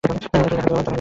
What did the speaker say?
এখনই তাকাবে ও।